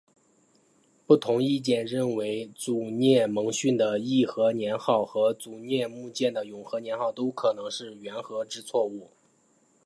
不同意见认为沮渠蒙逊的义和年号和沮渠牧犍的永和年号都可能是缘禾之错误。